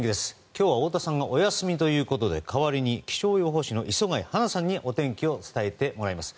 今日は太田さんがお休みということで代わりに気象予報士の磯貝初奈さんにお天気を伝えてもらいます。